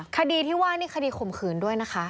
คดีที่ว่านี่คดีข่มขืนด้วยนะคะ